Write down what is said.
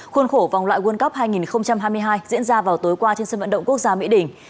khuôn khổ vòng loại world cup hai nghìn hai mươi hai diễn ra vào tối qua trên sân vận động quốc gia mỹ đình